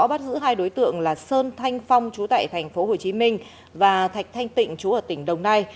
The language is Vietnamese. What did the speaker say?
bắt giữ hai đối tượng là sơn thanh phong chú tại thành phố hồ chí minh và thạch thanh tịnh chú ở tỉnh đồng nai